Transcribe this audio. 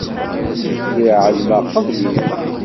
Lliɣ εelmeɣ qbel-ik.